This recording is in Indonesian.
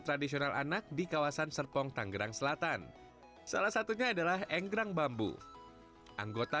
tradisional anak di kawasan serpong tanggerang selatan salah satunya adalah enggrang bambu anggota